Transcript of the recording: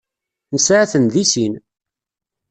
Nesɛa-ten deg sin.